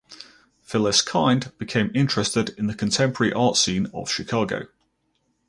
Phyllis Kind became interested in the contemporary art scene of Chicago.